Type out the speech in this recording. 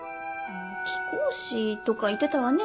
貴公子とか言ってたわね。